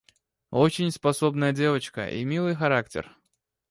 Очень способная девочка и милый характер.